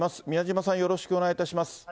みやじまさん、よろしくお願いいたします。